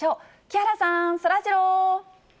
木原さん、そらジロー。